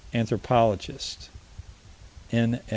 Anthropologist_, n.